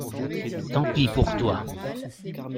Tant pis pour toi.